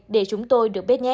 để chúng tôi được biết nhé